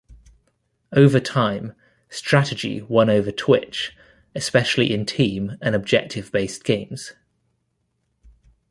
Over time, strategy won over twitch, especially in team- and objective-based games.